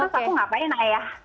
terus aku ngapain ayah